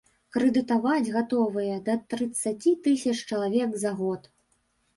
Крэдытаваць гатовыя да трыццаці тысяч чалавек за год.